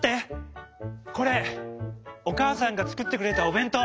これおかあさんがつくってくれたおべんとう。